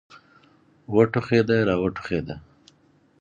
وټوخېده را وټوخېده.